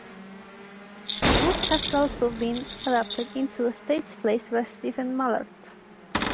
The book has also been adapted into a stage play by Stephen Mallatratt.